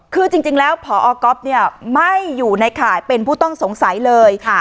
คือจริงแล้วพอก๊อฟเนี่ยไม่อยู่ในข่ายเป็นผู้ต้องสงสัยเลย